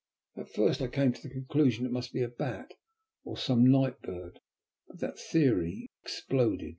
At first I came to the conclusion that it must be a bat, or some night bird, but that theory exploded.